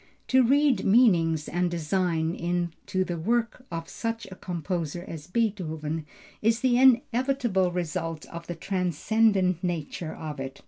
To read meanings and design into the work of such a composer as Beethoven is the inevitable result of the transcendent nature of it.